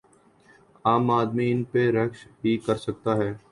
عام آدمی ان پہ رشک ہی کر سکتا ہے۔